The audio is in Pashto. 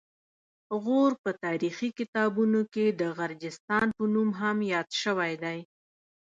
غور په تاریخي کتابونو کې د غرجستان په نوم هم یاد شوی دی